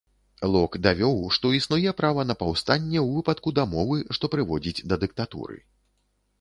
Лок давёў, што існуе права на паўстанне ў выпадку дамовы, што прыводзіць да дыктатуры.